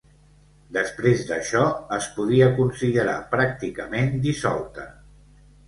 Després d'això es podia considerar pràcticament dissolta.